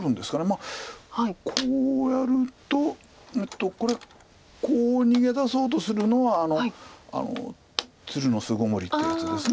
まあこうやるとこれこう逃げ出そうとするのは鶴の巣ごもりっていうやつです